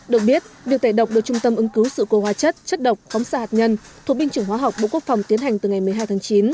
được biết việc tẩy độc được trung tâm ứng cứu sự cố hóa chất chất độc phóng xạ hạt nhân thuộc binh chủng hóa học bộ quốc phòng tiến hành từ ngày một mươi hai tháng chín